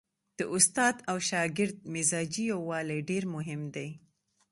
د استاد او شاګرد مزاجي یووالی ډېر مهم دی.